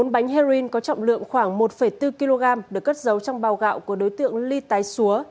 bốn bánh heroin có trọng lượng khoảng một bốn kg được cất giấu trong bào gạo của đối tượng ly tái xúa